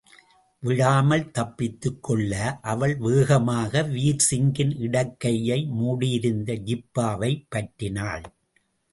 விழாமல் தப்பித்துக்கொள்ள அவள் வேகமாக வீர்சிங்கின் இடக்கையை மூடியிருந்த ஜிப்பாவைப் பற்றினாள்.